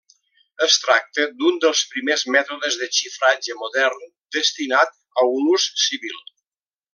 Es tracta d'un dels primers mètodes de xifratge modern destinat a un ús civil.